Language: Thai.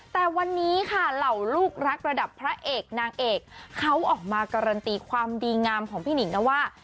แต่วันนี้ค่ะเหล่าลูกรักระดับพระเอกนางเอกเขาออกมาการันตีความดีงามของพี่หนิงนะว่า